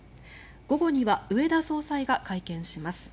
午後には植田総裁が会見します。